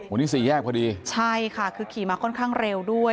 วันนี้สี่แยกพอดีใช่ค่ะคือขี่มาค่อนข้างเร็วด้วย